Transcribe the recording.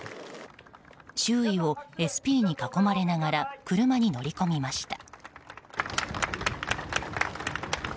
周囲をＳＰに囲まれながら車に乗り込みました。